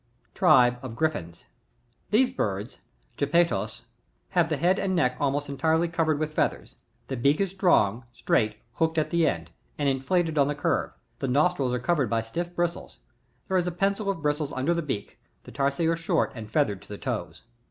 Tribe of Griffins. 24. These hWds.^GypaetoSt—i Plate 3, fig. 3.) have the head and neck almost entirely covered with feathers ; the beak is • strong, straight, hooked at the end, and inflated on the curve : the nostrils are covered by stiff bristles ; there is a [>encil of bristles under the beak; the tarsi are short and feathered to the toes.